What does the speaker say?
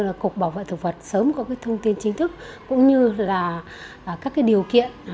bộ bảo vệ thực vật sớm có thông tin chính thức cũng như là các điều kiện